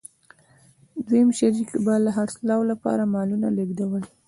دویم شریک به د خرڅلاو لپاره مالونه لېږدول